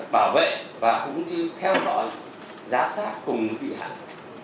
bảo vệ và cũng đi theo dõi giá thác cùng vị hãng